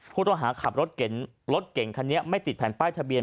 ผู้ต้องหาขับรถเก่งคันนี้ไม่ติดแผ่นป้ายทะเบีย